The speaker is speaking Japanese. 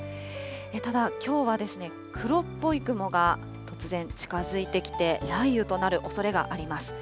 ただ、きょうは黒っぽい雲が突然近づいてきて、雷雨となるおそれがあります。